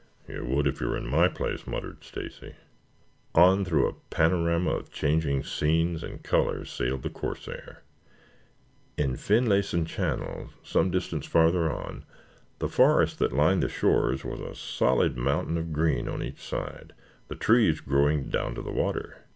"You would, if you were in my place," muttered Stacy. On through a panorama of changing scenes and colors sailed the "Corsair." In Finlayson Channel, some distance farther on, the forest that lined the shores was a solid mountain of green on each side, the trees growing down to the water.